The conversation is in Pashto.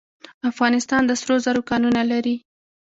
افغانستان د سرو زرو کانونه لري